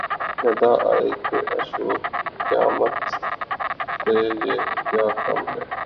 ندا آئی کہ آشوب قیامت سے یہ کیا کم ہے